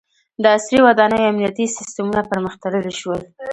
• د عصري ودانیو امنیتي سیستمونه پرمختللي شول.